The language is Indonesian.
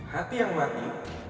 hati yang mati